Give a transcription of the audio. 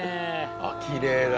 あきれいだ。